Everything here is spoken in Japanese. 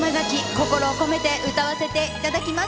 心を込めて歌わせて頂きます。